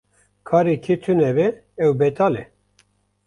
Karê kê tune be ew betal e.